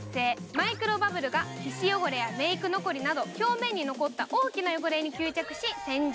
マイクロバブルが、皮脂汚れやメイク残りなど表面に残った大きな汚れに付着し洗浄。